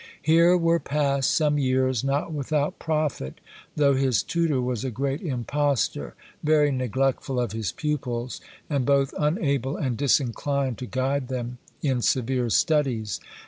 Here were passed some years not without profit, though his tutor was a great impostor, very neglectful of his pupils, and both unable and disinclined to guide them in severe studies.